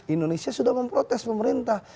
indonesia sudah memprotes pemerintah